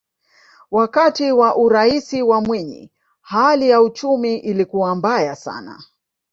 wakati wa uraisi wa mwinyi hali ya uchumi ilikuwa mbaya sana